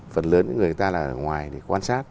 phần lớn những người ta là ở ngoài để quan sát